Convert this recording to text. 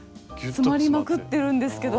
詰まりまくってるんですけども。